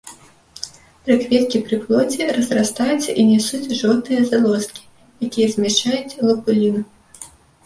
Прыкветкі пры плодзе разрастаюцца і нясуць жоўтыя залозкі, якія змяшчаюць лупулін.